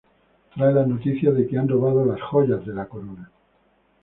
Trae la noticia de que han robado las joyas de la corona.